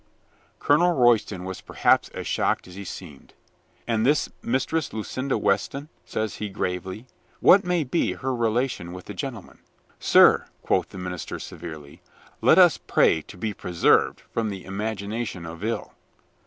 Colonel Royston was perhaps as shocked as he seemed. "And this Mistress Lucinda Weston," says he gravely, "what may be her relation with the gen tleman ?" "Sir," quoth the minister severely, "let us pray to be preserved from the imagination of ill."